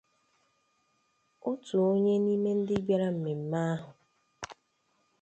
otu onye n'ime ndị bịara mmemme ahụ